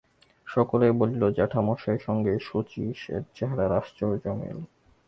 সকলেই বলিল, জ্যাঠামশায়ের সঙ্গে শচীশের চেহারার আশ্চর্য মিল।